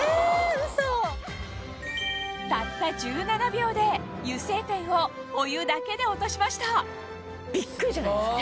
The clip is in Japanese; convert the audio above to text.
たった１７秒で油性ペンをお湯だけで落としましたビックリじゃないですか？